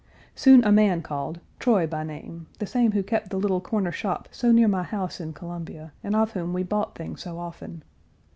Soon a man called, Troy by name, the same who kept the little corner shop so near my house in Columbia, and of whom we bought things so often.